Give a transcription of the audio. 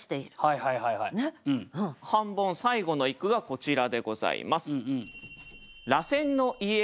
半ボン最後の一句がこちらでございます。